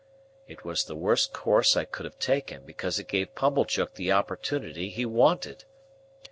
It was the worst course I could have taken, because it gave Pumblechook the opportunity he wanted.